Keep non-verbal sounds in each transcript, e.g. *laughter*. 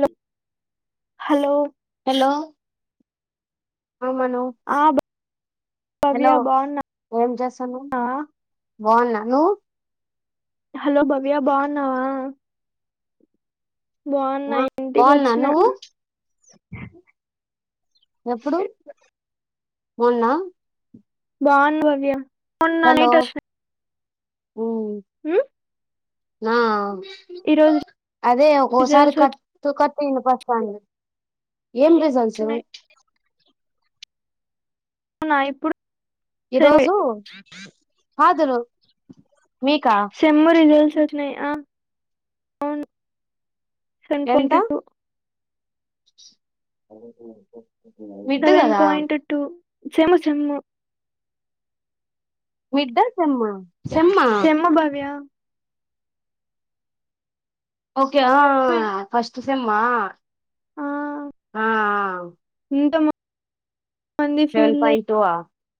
లో hello hello ఆ మను ఆ భవ్య హలో బాగున్నావా ఏం చేస్సన్నావ్ బాగున్నా నువ్వు హలో భవ్యా బాగున్నావా బాగున్నా ఆ, బాగున్నా ఇంటికొచ్చిన నువ్వు ఎప్పుడు మొన్నా బాగున్న బవ్య మొన్న హలో నైట్ వచ్చిన ఉమ్, ఉ నా అదే ఒకోసారి రిజల్ట్స్ కట్ కట్ పిండి కొస్తాంది ఏం రిజల్ట్స్ వచ్చినాయి అవునా ఎప్పుడు ఈరోజు హాజరు మీకా సెమ్ రిజల్ట్స్ *unintelligible* అవును సెవన్ ఎంత పాయింట్ టు మిడ్ సెవెన్ కదా పాయింట్ టూ సెమ్ము సెమ్ము మిడ్డా సెమ్మా సెమ్మా సెమ్ము భవ్యా ఓకే ఆ మే ఫస్ట్ సేమ్మా ఆ ఆ ఆ ఎంత మంది న్ ఫెయిల్ పయితో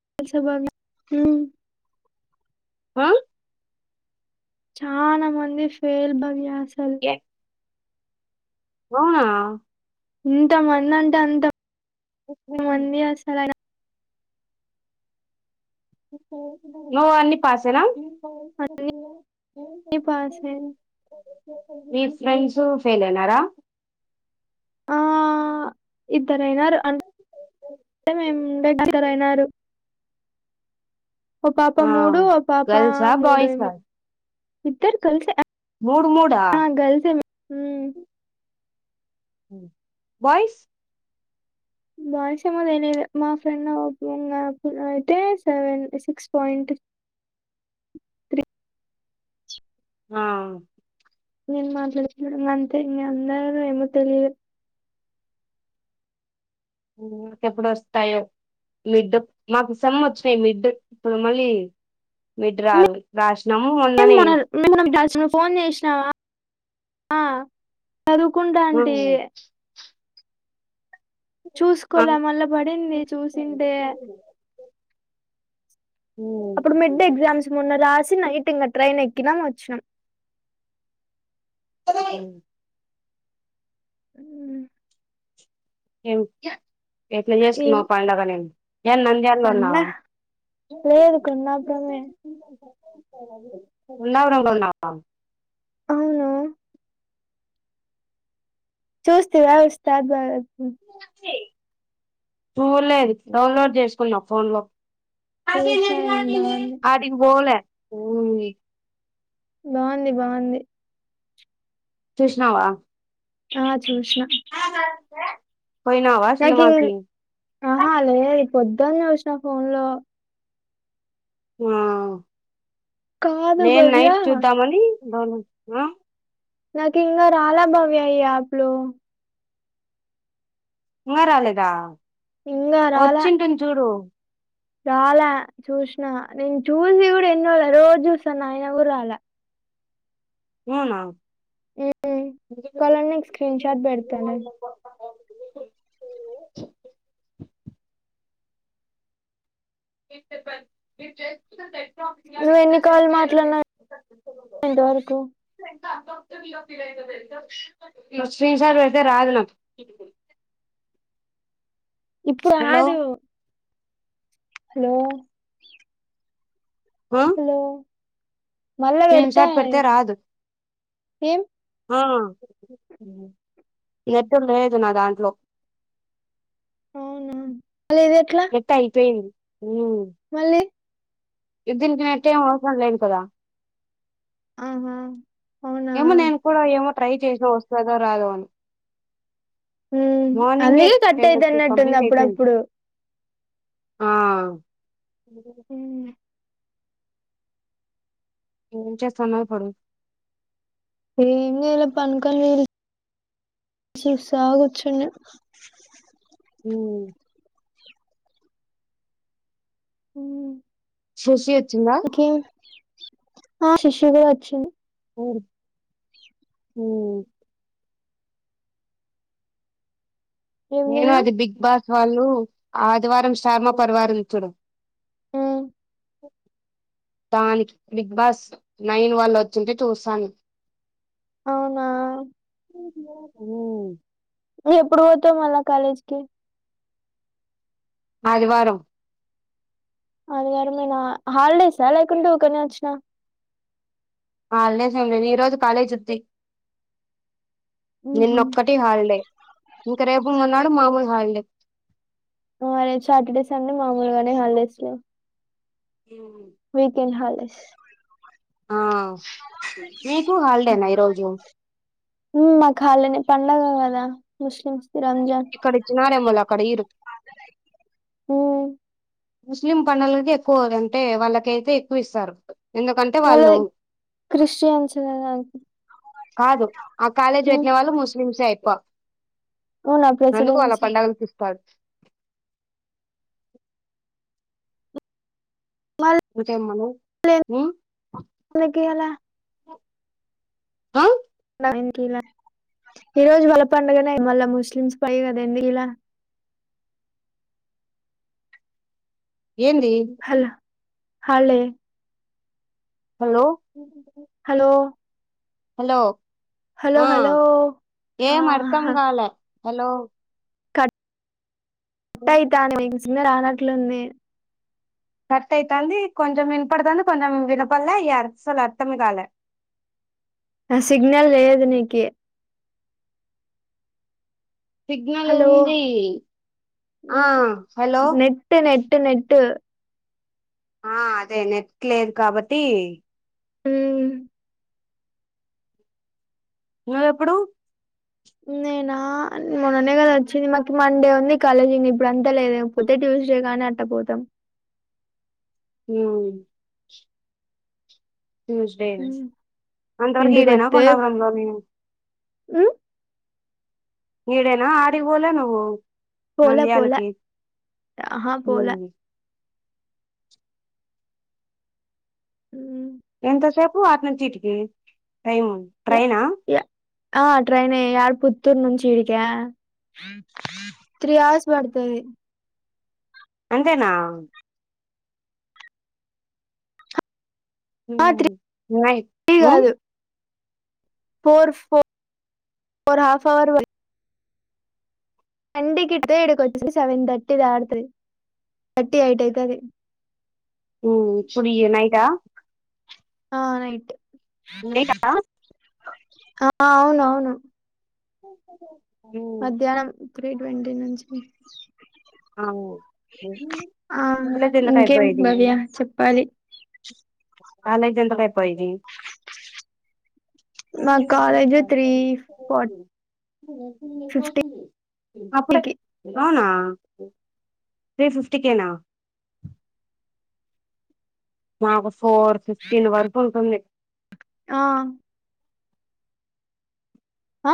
*unintelligible* చానా మంది ఫేల్ బంగ్యస్త స్తరు అవునా. ఇంత మంది అంటే అంత. మంది ఓస్తాడయన. నువ్వని పాసెన. అన్ని పాసే. మీ ఫ్రెండ్స్ ఫెలైనర.. ఆ ఇ. తరైనారు ఆ *unintelligible* మేముండ అజరైనరూ ఒ పాప ఆ మూడు ఒ పాప గర్ల్సా బాయ్సా మూడేమో. ఇద్దరు కాల్స్తే. మూడు మూడా. ఉమ్. బాయ్స్ బాయ్స్ ఏమో తెలీదు మా ఫ్రెండ్ *unintelligible* అయితే సెవెన్ సిక్స్ పాయింట్ త్రీ. ఆ. నేన్ మాట్లాడుతున్నా అంతే మీ అందరూ ఏమో తెలిదు. హమ్ ఎప్పుడొస్తాయో మిడ్ మాకు సేమ్ వచ్చినాయ్ మిడ్ ఇప్పుడు మళ్ళీ. మిడ్ రాలి రాసినాము మొన్ననే మోనాల్ *unintelligible* ఫోన్ జేష్ణవ. ఆ. చదువుకుంటంటి. ఆ చూస్కోలా మళ్ళా పడింది చూసింటే. ఉమ్. అప్పుడు మిడ్ ఎగ్జామ్స్ మొన్న రాసిన. ట్రెన్ ఎక్కిన వచ్చినా. *unintelligible* ఉమ్. ఏం. ఎట్లా జేస్కున్నావ్ పండగని. పన్న లేదు కొన్న *unintelligible* ఉన్నావర ఉన్నావ. అవును చూస్తివ ఉస్తాద్ బాగత్. ఉమ్. చూలేదు డౌన్లోడ్ చేసుకున్నా ఫోన్ లో. చూసినా నేను *unintelligible* బాగుంది అటికిబోలే ఓ. బాంధి బాంధి. చూష్ణావ. అ చూసినా ఏ నకి ఆహా లేధు ఐపి పొద్దున్న చూసిన ఫోన్ లో ఆ కాదు భవ్యా బను ఆ నాకు ఇంకా రాలా భవ్య ఈ యాప్లు ఉంగరాలదా వచ్చింటూది చూడు రాలే చూసిన నేను చూసి కూడా ఎన్నోళ్ల రోజు చూసాను ఆయన కూడా రాలే అవునా ఉమ్ కలనిక్ స్క్రీన్ షాట్ పెడ్తా లే మీ *unintelligible* నువ్వ ఎన్నికళ్లుు మాట్లాడిన ఇంతవరకు శ్రీనిసారు అయితే రాదులు ఇప్పుడు అదు హలో హలో మళ్ళా పెడతా స్లీన్సాట్ పతే రాదు ఏం ఆ నేటు లేదు నా దాంట్లో అవునా మళ్ళీ ఇది ఎట్లా ఎట్ట అయిపోయింది ఉమ్ మళ్ళీ ఇద్దనికి న టైం వసం లేను కదా ఆహా అవునా ఏమో నేన్ కూడా ఏమో ట్రై చేసే వస్తుందో రాదు అని ఉ మార్నింగే అందుకే కట్ టెన్ అయితు అన్నట్టుంది కంప్లీట్ అయిపోయింది అప్పుడప్పుడు ఆ ఉమ్ ఉమ్, ఎమ్ చెస్టునావ్ ఇపుడు ఎమ్ చెయ్లే పంకల్ రీల్ సుస్సా కూచున్న మ్మ్ మ్మ్ శశి ఓకే ఆ శిశు కూడ వచ్చింది మ్మ్ ఏం నేను తిన్నా అది బిగ్ బాస్ వాళ్ళు ఆదివారం స్టార్మ పరివార్ ఉంది చూడు మ్మ్ దానికి బిగ్ బాస్ నైన్ వాళ్ళు వచ్చింటే చూశాను అవునా మ్మ్ ఎప్పుడు పోతావు మళ్ళ కాలేజ్కి ఆదివారం ఆదివారమేనా హాలిడేసా లేకుంటే ఊకనే వచ్చినా హాలిడేస్ ఏం లేదు ఈ రోజు కాలేజ్ ఉద్ది ఉహు. నిన్నొక్కటి హాలిడే ఇంక రేపు మొన్నాడు మామూలు వాళ్ళే ఆ రేపు సాటర్డే సండే మామూలుగానే హాలిడేస్ వీకెండ్ హాల్ బస్ ఆ మీకు హాలీడేన ఈ రోజు మాకు హాలిడేనే పండగ కదా ముస్లిమ్స్ కి రంజాన్ ఇక్కడ ఇచ్చినారెమోలె అక్కడ ఈరు ఉ హ్మ్ ముస్లిం పండగలకి ఎక్కువ అంటే వాళ్ళకైతే ఎక్కువ ఇస్తారు ఎందుకంటే వాళ్ళు వాళ్ళది క్రిస్టియన్స్ కదా కాదు ఆ కాలేజీ పెట్టిన వాళ్ళు ముస్లిమ్సే ఆయ్ప ఊన ప్రెసిడెన్సీ పల్చ్ మల్ ఇంకేం మను లెన్ ఉమ్ ఎందుకు ఇయ్యలా ఆ వెంకీల ఈ రోజు వల్ల పండుగనే మళ్ళా ముస్లిమ్స్ పై కదా ఎందుకీల ఏంది హాల్డే హలో హలో హలో హలో ఆ హలో ఏం ఆహ్ అర్థం కాలే హలో కట్ *unintelligible* ఇంక రానట్లుంది కట్ అయితాంది కొంచెం వినపడుతాంది కొంచెం వినపడలే ఇగ అసలే అర్థమే కాలే ఆ సిగ్నల్ లేదు నీకి సిగ్నల్ హలో ఉంది ఆ హలో నెట్ నెట్ నెట్ ఆ అదే నెట్లేదు కాబట్టి హ్మ్ నువ్వు ఎప్పుడు నేనా మొన్ననే కదా వచ్చింది మాకి మండే ఉంది కాలేజీ ఇప్పుడు అంతా లేదు కాపోతే ట్యూస్డే కాని అట్టపోదాం హ్మ్ ట్యూస్డే ఉమ్. అంతవరకు ఈడెనా ఇంటికొత్తే కొండాపురంలోనేనా హ్మ్ ఈడేనా ఆడికి పోలే నువ్వు పోలే పోలే నంద్యాలకి ఆహా పోలే ఉమ్ ఉ ఎంతసేపు అటునుంచిటికి ట్రైన్ యా ట్రైనా యా ఆ ట్రైన్ యాడ పుత్తూరు నుంచి ఈడికా త్రీ అవర్స్ పడుతుది అంతేనా ఆ త్రీ ఆమ్ కాదు ఫోర్ ఫోర్ హాఫ్ ఆవర్ పడుతది ఎక్కితే ఈడికొచ్చే సెవెన్ తర్టీ దాటుతది తర్టీ యయిట్ అయితది ఉ ఇపుడు నైటా ఆ నైట్ *inaudible* ఆ అవున అవును ఓ మధ్యాహ్నం త్రీ ట్వంటీ నుంచి అవును ఆ ఎందుకు ఇంకేం అయిపోయేది భవ్య చెప్పాలి వాళ్ళకి మా కాలేజ్ త్రీ ఫార్ *unintelligible* ఫిఫ్టీకి ది అప్పుడే అవునా త్రీ ఫిఫ్టీకేనా మాకు ఫోర్ ఫిఫ్టీన్ వరకు ఉంటుంది ఆ ఆ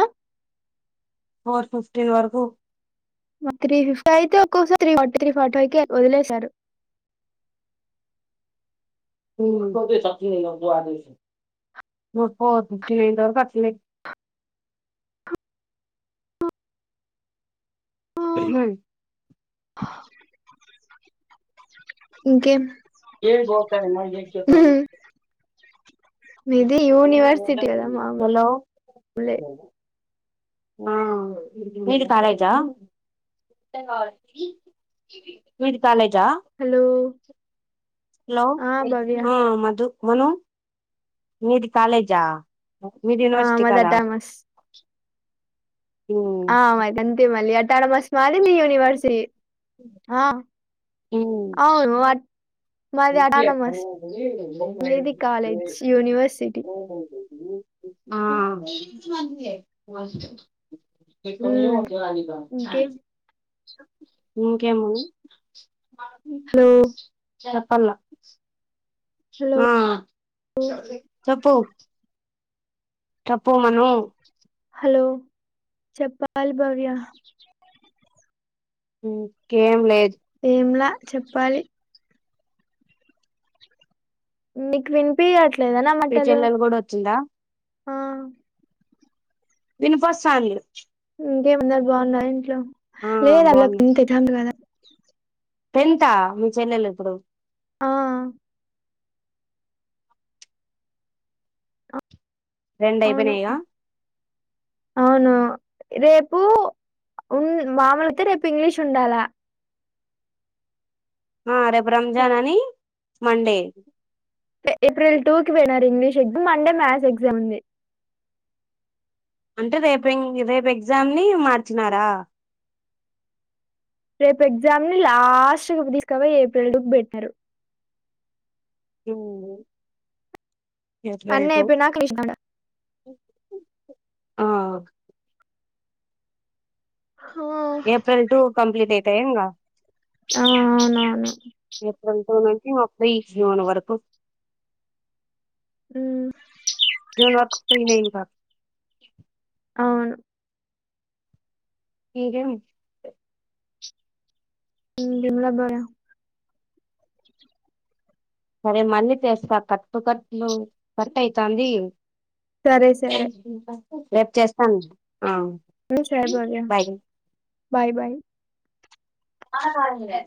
ఫోర్ ఫిఫ్టీన్ వరకు త్రీ ఫిఫ్టీ అయితే ఒక్కోసారి three forty three forty five క వదిలేసారు చ *inaudible* హ ఇంకే *inaudible* కేక బతా మ ఏ చేతా మీది యూనివర్సిటీ కదా మామూలే హలో మీది కాలజా మీది కాల హలో హలో ఆ భవ్య మధు కొను మీది కాాలేజా మీరు ఆ యనివర్సిటీ మాది కదా ఉమ్ ఆయి అంతిమల్ అ త మాలిని యూనివర్సిటీ ఆ ఉమ్ అవును అ *unintelligible* మీది కాలేజ్ యూనివర్సిటీ ఆ *inaudible* ది చా *unintelligible* ఉమ్, ఇంకేం ఇంకేము హలో ఆ చెప్పలా హలో ఆ చెప్పు చేప్పుమను హలో చెప్పాలి భవ్య ఇంకేం లేదు ఏంలా చెప్పాలి మీకు వినిపి అట్లా లేద నా మీ మాటాలు చెల్లెలు కూడా వచ్చిందా ఆహ్ వినిపాస్ సంధి ఇంకేం మున్నది బాగున్నా ఇంట్లో ఆ లే లేద అల్ నింతతి అమ్దా *unintelligible* టెంతా మీ చెల్లెలు ఇప్పుడు ఆ రెండు అవును అయిపోయినాయిగా అవును రేపు ఉ మామూలతో రేపు ఇంగ్లీష్ ఉండాలా ఆ రేపు రంజాన్ అని మండే ఏప్రిల్ టూ కి పోయినారు ఇంగ్లీష్ ఎగ్జామ్ మండే మ్యస్ ఎగ్జామ్ ఉంది అంటే రేపు రేపు ఎగ్జామ్ ని మార్చినారా రేపు ఎగ్జామ్ ని లాస్ట్ తీసుకవాయ్ ఏప్రిల్ పెట్టినారు ఉహ్ అన్న ఎప్పుయి నాకా కలిష్ ఆ ఆ ఏప్రిల్ టూ కంప్లీటయి త ఇంగా ఆ అవునవును మేము అపుడే చేసినం వరకు అ జూన్ వరకు ఫ్రీనే ఇంకా అవును ఏరం ఎమ్లా బా సరే మళ్ళీ తెస్తా కట్టు కట్లు కట్ ఐతుంది సరే సరే స రేపు చేస్తాను ఆ అ సబాల బాయ్ బాయ్ బాయ్ అ కాల ఎ